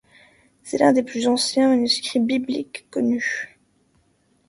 C'est l'un des plus anciens manuscrits bibliques connus.